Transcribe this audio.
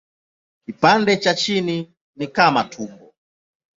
Kipande cha chini ni kama tumbo.